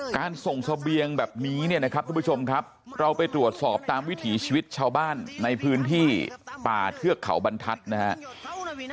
การส่งเสบียงแบบนี้เนี่ยนะครับทุกผู้ชมครับเราไปตรวจสอบตามวิถีชีวิตชาวบ้านในพื้นที่ป่าเทือกเขาบรรทัศน์นะครับ